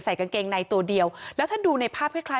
ใส่กางเกงในตัวเดียวแล้วถ้าดูในภาพคล้าย